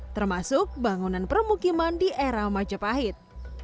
termasuk bangunan permukiman di era majapahit